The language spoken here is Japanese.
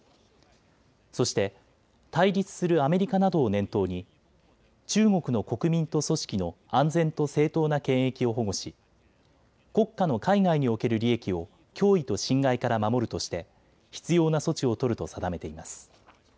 そして、対立するアメリカなどを念頭に中国の国民と組織の安全と正当な権益を保護し国家の海外における利益を脅威と侵害から守るとして必要な措置を取ると定めています。